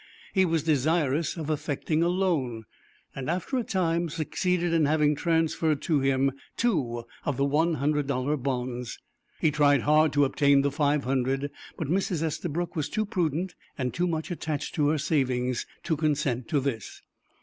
He was desirous of effecting a loan, and after a time succeeded in having transferred to him two of the one hundred dollar bonds. He tried hard to obtain the five hundred, but Mrs. Estabrook was too prudent and too much attached to her savings to consent to this.